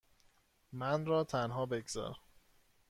من را تنها بگذار.